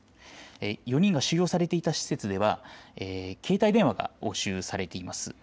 ４人が収容されていた施設では携帯電話が押収されています。